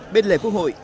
bên lề quốc hội